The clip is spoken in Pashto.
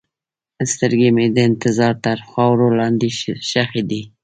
سترګې مې د انتظار تر خاورو لاندې ښخې دي.